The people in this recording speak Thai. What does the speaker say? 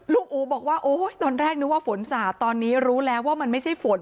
อู๋บอกว่าโอ้ยตอนแรกนึกว่าฝนสาดตอนนี้รู้แล้วว่ามันไม่ใช่ฝน